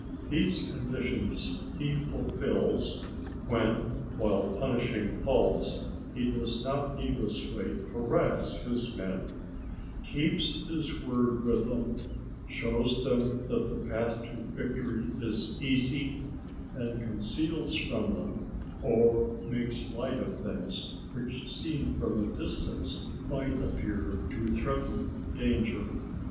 These conditions he fulfils when, while punishing faults, he does not needlessly harass his men, keeps his word with them, shows them that the path to victory is easy, and conceals from them, or makes light of things which seen from a distance might appear to threaten danger.